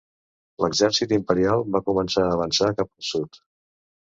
L'exèrcit imperial va començar a avançar cap al sud.